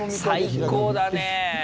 最高だねえ。